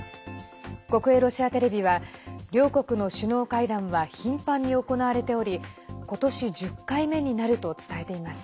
国営ロシアテレビは両国の首脳会談は頻繁に行われており今年１０回目になると伝えています。